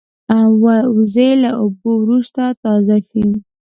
وزې له اوبو وروسته تازه شي